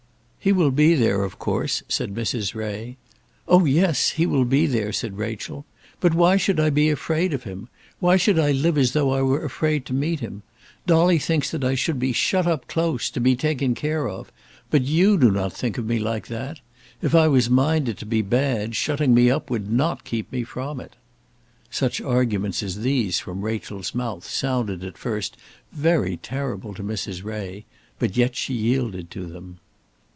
"He will be there, of course," said Mrs. Ray. "Oh, yes; he will be there," said Rachel. "But why should I be afraid of him? Why should I live as though I were afraid to meet him? Dolly thinks that I should be shut up close, to be taken care of; but you do not think of me like that. If I was minded to be bad, shutting me up would not keep me from it." Such arguments as these from Rachel's mouth sounded, at first, very terrible to Mrs. Ray, but yet she yielded to them.